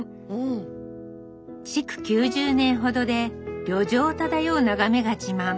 築９０年ほどで旅情漂う眺めが自慢。